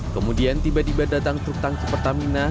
kemudian tiba tiba datang truk tangki pertamina